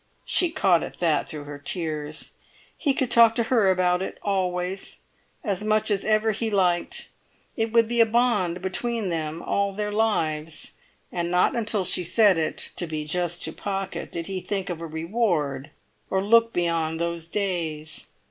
She caught at that through her tears. He could talk to her about it, always, as much as ever he liked; it would be a bond between them all their lives. And not until she said it, to be just to Pocket, did he think of a reward or look beyond those days.